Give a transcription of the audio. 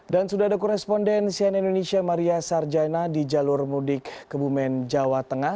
dan sudah ada korespondensian indonesia maria sarjana di jalur mudik kebumen jawa tengah